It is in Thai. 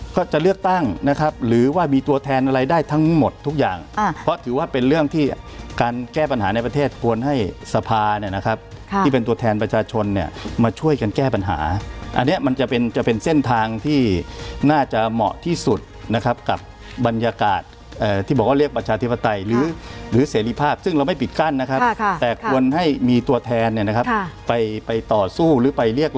ก็จะเลือกตั้งนะครับหรือว่ามีตัวแทนอะไรได้ทั้งหมดทุกอย่างเพราะถือว่าเป็นเรื่องที่การแก้ปัญหาในประเทศควรให้สภาเนี่ยนะครับที่เป็นตัวแทนประชาชนเนี่ยมาช่วยกันแก้ปัญหาอันเนี้ยมันจะเป็นจะเป็นเส้นทางที่น่าจะเหมาะที่สุดนะครับกับบรรยากาศที่บอกว่าเรียกประชาธิปไตยหรือหรือเสรีภาพซึ